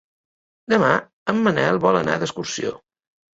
Demà en Manel vol anar d'excursió.